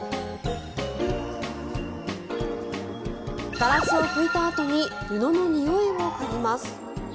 ガラスを拭いたあとに布のにおいを嗅ぎます。